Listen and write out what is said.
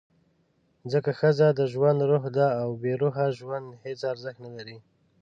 ځکه ښځه د ژوند «روح» ده، او بېروحه ژوند هېڅ ارزښت نه لري.